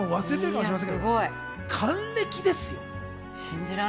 忘れてるかもしれませんけど、還暦ですよ。